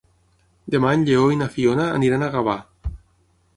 Demà en Lleó i na Fiona aniran a Gavà.